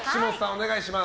お願いします。